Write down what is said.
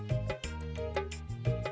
mas rangga mau bantu